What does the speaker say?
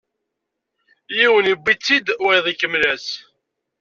Yiwen iwwi-tt-id, wayeḍ ikemmel-as.